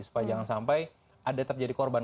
supaya jangan sampai ada yang tetap jadi korban